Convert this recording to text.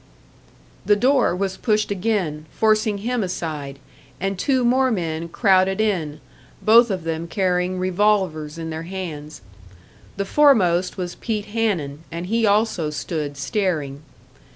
The door was pushed again, forcing him aside, and two more men crowded in, both of them carrying revolvers in their hands. The foremost was Pete Hanun, and he also stood staring.